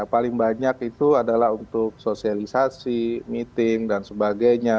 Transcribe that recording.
paling banyak itu adalah untuk sosialisasi meeting dan sebagainya